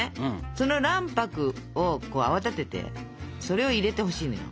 その卵白を泡立ててそれを入れてほしいのよ。